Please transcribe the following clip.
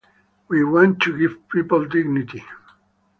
We want to give people dignity.